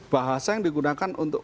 bahasa yang digunakan untuk